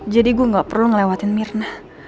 jadi gue gak perlu ngelewatin mirna